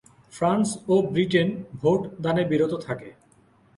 France ও Britain vote দানে বিরত থাকে।